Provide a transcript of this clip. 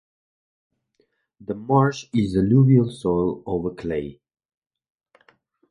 The marsh is alluvial soil over clay.